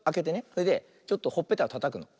それでちょっとほっぺたをたたくの。